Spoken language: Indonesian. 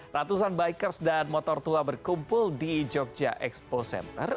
ratusan bikers dan motor tua berkumpul di jogja expo center